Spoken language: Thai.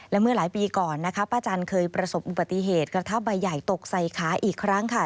และเมื่อหลายปีก่อนนะคะป้าจันทร์เคยประสบอุบัติเหตุกระทะใบใหญ่ตกใส่ขาอีกครั้งค่ะ